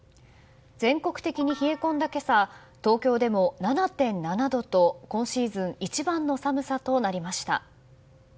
全国的に冷え込んだ今朝東京でも７．７度と、今シーズン一番の寒さとなりました。